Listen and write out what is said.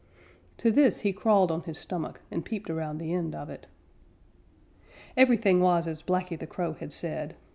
To this he crawled on his stomach and peeped around the end of it. Everything was as Blacky the Crow had said.